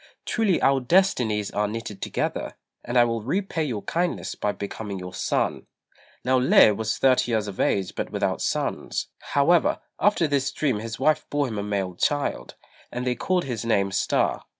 Truly our destinies are knitted together, and I will repay your kindness by becoming your son." Now Lê was thirty years of age but without sons; however, after this dream his wife bore him a male child, and they called his name Star.